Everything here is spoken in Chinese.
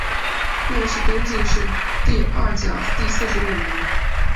殿试登进士第二甲第四十五名。